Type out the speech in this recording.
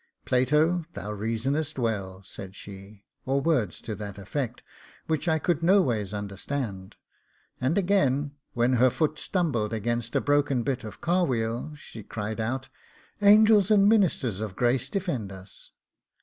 'Plato, thou reasonest well!' said she, or words to that effect, which I could noways understand; and again, when her foot stumbled against a broken bit of a car wheel, she cried out, 'Angels and ministers of grace defend us!